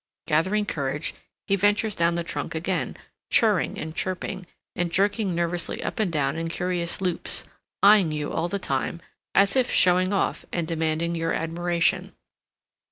Gathering courage, he ventures down the trunk again, churring and chirping, and jerking nervously up and down in curious loops, eyeing you all the time, as if snowing off and demanding your admiration.